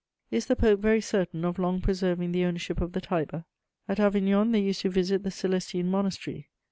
Is the Pope very certain of long preserving the ownership of the Tiber? At Avignon they used to visit the Celestine monastery.